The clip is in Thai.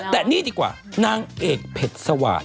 แต่นี่ดีกว่านางเอกเผ็ดสวาส